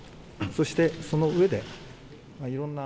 そして、そのうえで。